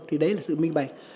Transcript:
thì đấy là sự minh bạch